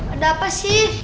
ada apa sih